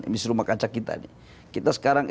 emisi rumah kaca kita